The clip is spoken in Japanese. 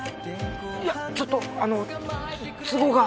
いやちょっとあのつ都合が。